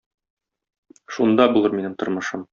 Шунда булыр минем тормышым.